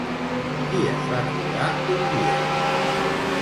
Qui es va trobar un dia?